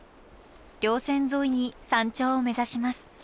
稜線沿いに山頂を目指します。